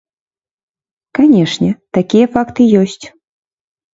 Канешне, такія факты ёсць.